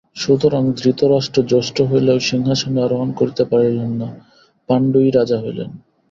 সুতরাং ধৃতরাষ্ট্র জ্যেষ্ঠ হইলেও সিংহাসনে আরোহণ করিতে পারিলেন না, পাণ্ডুই রাজা হইলেন।